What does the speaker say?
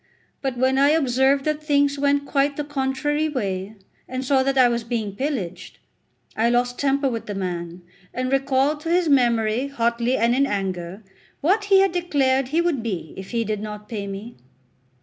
But when I observed that things went quite the contrary way, and saw that I was being pillaged, I lost temper with the man, and recalled to his memory hotly and in anger what he had declared he would be if he did not pay me.